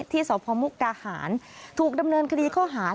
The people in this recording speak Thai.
ที่สพมุกดาหารถูกดำเนินคดีข้อหาร